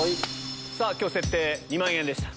今日設定２万円でした。